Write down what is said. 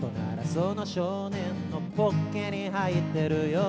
「その少年のポッケに入ってるよ」